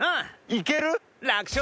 いける？